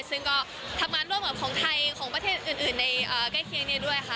ซึ่งก็ทำงานร่วมกับของไทยของประเทศอื่นในใกล้เคียงนี้ด้วยค่ะ